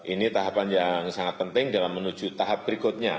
ini tahapan yang sangat penting dalam menuju tahap berikutnya